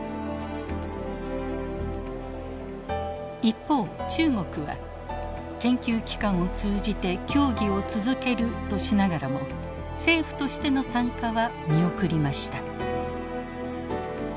一方中国は研究機関を通じて協議を続けるとしながらも政府としての参加は見送りました。